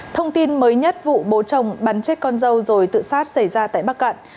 thông tin mới nhất vụ bố chồng bắn chết con dâu rồi tự sát xảy ra tại bắc cạn